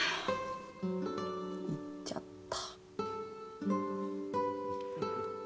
いっちゃった。